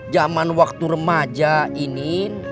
zaman waktu remaja inin